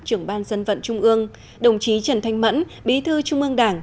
trưởng ban dân vận trung ương đồng chí trần thanh mẫn bí thư trung ương đảng